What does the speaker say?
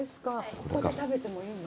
ここで食べてもいいの？